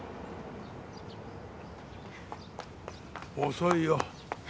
遅いよ。